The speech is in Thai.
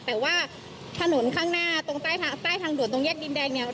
แต่ว่าถนนข้างหน้าตรงใต้ทางด่วนตรงแยกดินแดงเนี่ย